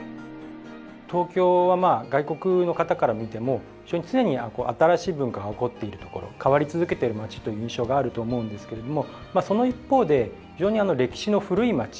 東京は外国の方から見ても非常に常に新しい文化が興っている所変わり続けている町という印象があると思うんですけれどもその一方で非常に歴史の古い町でもあると思うんですよね。